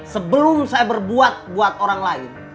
sebelum saya berbuat buat orang lain